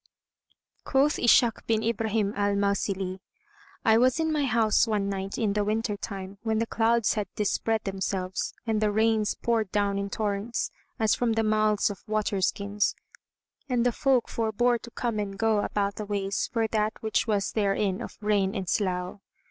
[FN#168] Quoth Ishak bin Ibrahim al Mausili: I was in my house one night in the winter time, when the clouds had dispread themselves and the rains poured down in torrents, as from the mouths of water skins, and the folk forbore to come and go about the ways for that which was therein of rain and slough.